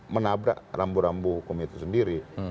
menabrak rambu rambu hukum itu sendiri